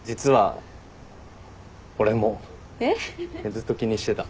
ずっと気にしてた。